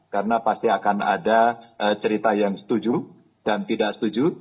karena pasti akan ada cerita yang setuju dan tidak setuju